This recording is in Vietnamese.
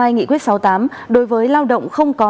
hai nghị quyết sáu mươi tám đối với lao động không có